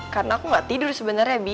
karena aku gak tidur sebenernya bi